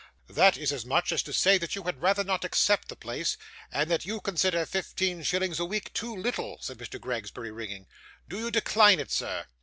'That is as much as to say that you had rather not accept the place, and that you consider fifteen shillings a week too little,' said Mr Gregsbury, ringing. 'Do you decline it, sir?